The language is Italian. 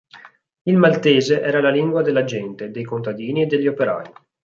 Il maltese era la lingua della gente, dei contadini e degli operai.